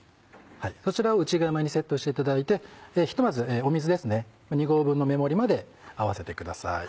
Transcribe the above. そちらを内釜にセットしていただいてひとまず水ですね２合分の目盛りまで合わせてください。